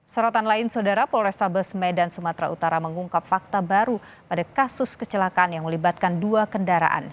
sorotan lain saudara polrestabes medan sumatera utara mengungkap fakta baru pada kasus kecelakaan yang melibatkan dua kendaraan